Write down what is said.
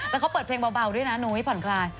แล้วเขาเปิดเพลงเบาด้วยนะนุ้ยผ่อนคลาย